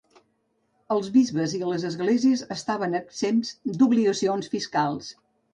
Els bisbes i les esglésies estaven exempts d'obligacions fiscals.